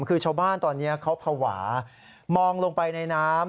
คือชาวบ้านตอนนี้เขาภาวะมองลงไปในน้ำ